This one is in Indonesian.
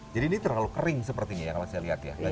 jadi ini terlalu kering sepertinya kalau saya lihat ya